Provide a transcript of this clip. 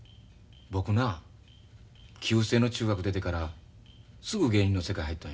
僕な旧制の中学出てからすぐ芸人の世界入ったんや。